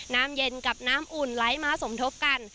น้ำเย็นกับน้ำอุ่นไหลมาสมทบกัน